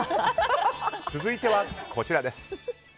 続いては、こちらです。